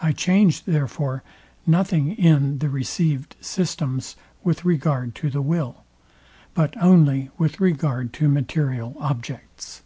I change, therefore, nothing in the received systems, with regard to the will, but only with regard to material objects.